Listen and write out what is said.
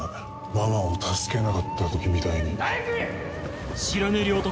ママを助けなかった時みたいに。